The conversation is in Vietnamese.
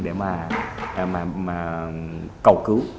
để mà cầu cứu